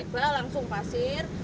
jadi bak langsung pasir